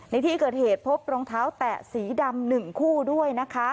ในที่เกิดเหตุพบรองเท้าแตะสีดำ๑คู่ด้วยนะคะ